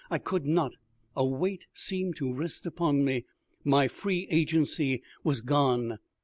I could not; a weight seemed to rest upon me, my free agency was gone.